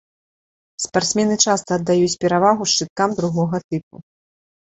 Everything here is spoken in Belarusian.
Спартсмены часта аддаюць перавагу шчыткам другога тыпу.